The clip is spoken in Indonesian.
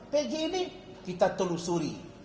pg ini kita telusuri